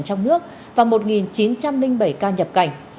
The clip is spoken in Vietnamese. trong nước và một chín trăm linh bảy ca nhập cảnh